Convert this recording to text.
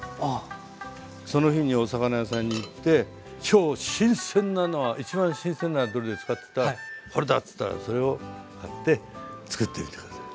その日にお魚屋さんに行って今日新鮮なのは一番新鮮なのはどれですかっつったらこれだっつったらそれを買ってつくってみて下さい。